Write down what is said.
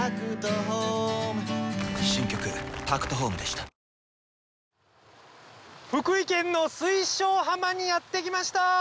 すごい！福井県の水晶浜にやって来ました！